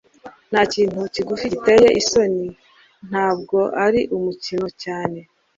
ntakintu kigufi giteye isoni ntabwo ari umukino cyane